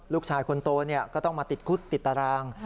ลูกชายคนโตก็ต้องมาติดคุกติดตาราง